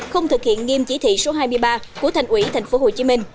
không thực hiện nghiêm chỉ thị số hai mươi ba của thành ủy tp hcm